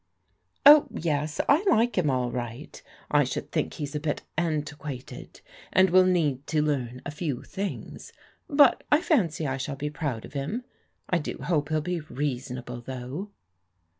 "" Oh, yes, I like him all right. I should think he's a bit antiquated, and will need to learn a few things, but I fancy I shall be proud of him. I do hope he'll be rea sonable, though."